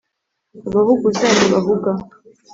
abahuguza ntibahuga